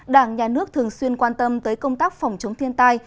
đảng nhà nước thường xuyên quan tâm tới công tác phòng chống thiên tai